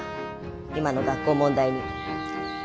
今の学校問題に。